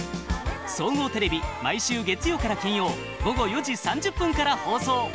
総合テレビ、毎週月曜から金曜午後４時３０分から放送。